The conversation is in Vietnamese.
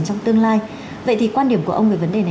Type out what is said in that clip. trong tương lai vậy thì quan điểm của ông về vấn đề này